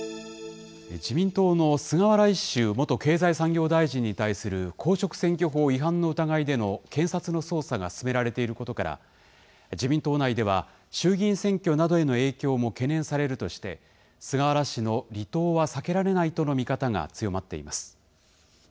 自民党の菅原一秀元経済産業大臣に対する公職選挙法違反の疑いでの検察の捜査が進められていることから、自民党内では、衆議院選挙などへの影響も懸念されるとして、菅原氏の離党は避けられないとの見方が強まっています。